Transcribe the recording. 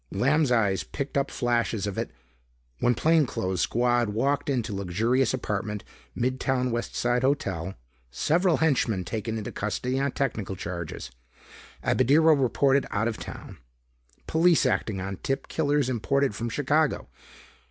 Lamb's eyes picked up flashes of it. "... when plainclothes squad walked into luxurious apartment ... mid town West Side hotel ... several henchmen taken into custody on technical charges ... Abadirro reported out of town ... police acting on tip killers imported from Chicago